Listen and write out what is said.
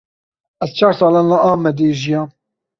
Ez çar salan li Amedê jiyam.